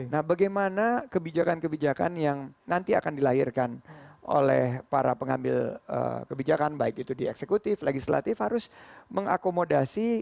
nah bagaimana kebijakan kebijakan yang nanti akan dilahirkan oleh para pengambil kebijakan baik itu di eksekutif legislatif harus mengakomodasi